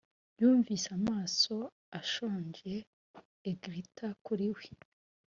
yumvise amaso ashonje a-glitter kuri we